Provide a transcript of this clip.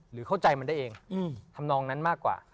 หรือเข้าใจมันได้เองทำนองนั้นมากกว่า